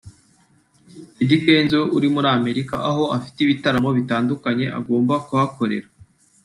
Eddy Kenzo uri muri Amerika aho afite ibitaramo bitandukanye agomba kuhakorera